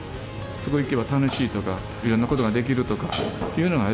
そこに行けば楽しいとか、いろんなことができるとかというのがあ